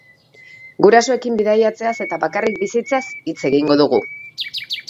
Gurasoekin bidaiatzeaz eta bakarrik bizitzeaz hitz egingo dugu.